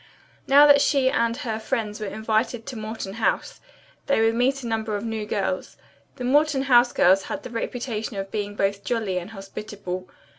Now that she and her friends were invited to Morton House they would meet a number of new girls. The Morton House girls had the reputation of being both jolly and hospitable.